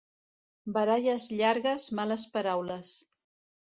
Baralles llargues, males paraules.